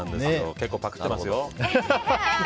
結構パクってますよ。